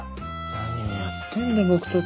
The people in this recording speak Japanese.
何をやってんだ僕たちは。